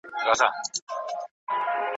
نادر ستا تر قدمونو نه رسیږي